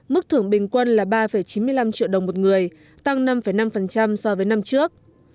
mức thưởng bình quân là ba chín mươi năm triệu đồng một người tăng năm năm so với năm trước